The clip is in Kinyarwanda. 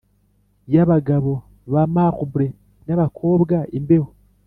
yabagabo ba marble nabakobwa imbeho,